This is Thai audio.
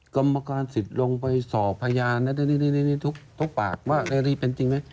กรรมการสิทธิ์ลงไปสอบพยานทุกปากว่าเรรี่เป็นจริงไหม